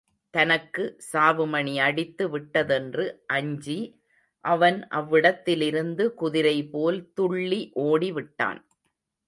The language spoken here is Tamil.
தனக்கு சாவுமணி அடித்து விட்டதென்று அஞ்சி அவன் அவ்விடத்திலிருந்து குதிரைபோல் துள்ளி ஓடிவிட்டான்.